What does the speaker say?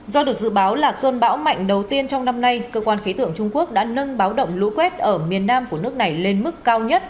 do được dự báo là cơn bão mạnh đầu tiên trong năm nay cơ quan khí tượng trung quốc đã nâng báo động lũ quét ở miền nam của nước này lên mức cao nhất